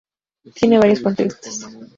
Tiene varios contextos.